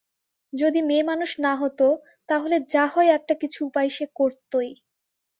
যদি মেয়েমানুষ না হত তা হলে যা হয় একটা কিছু উপায় সে করতই।